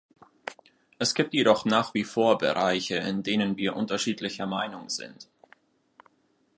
Es gibt jedoch nach wie vor Bereiche, in denen wir unterschiedlicher Meinung sind.